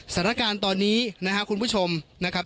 สถานการณ์ตอนนี้นะครับคุณผู้ชมนะครับ